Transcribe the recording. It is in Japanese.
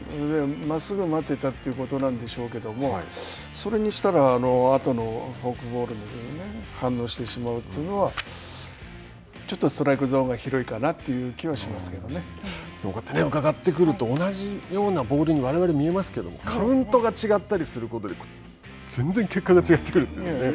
まっすぐを待っていたということなんでしょうけども、それにしたら、あとのフォークボールに反応してしまうというのは、ちょっとストライクゾーンが広いかなといこうやって伺ってくると、同じようなボールにわれわれは見えますけど、カウントが違ったりすることで全然結果が違ってくるんですね。